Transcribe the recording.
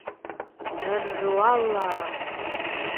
— Эр-р уа-ла!!